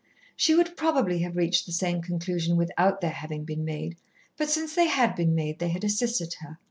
She would probably have reached the same conclusion without their having been made, but since they had been made, they had assisted her.